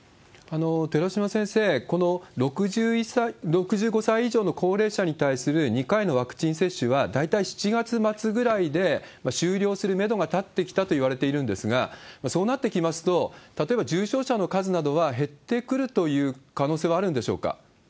寺嶋先生、この６５歳以上の高齢者に対する２回のワクチン接種は、大体７月末ぐらいで終了するメドが立ってきたといわれているんですが、そうなってきますと、例えば重症者の数などは減ってくるという可能性はあるんでしょう